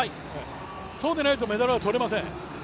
そうでないとメダルは取れません。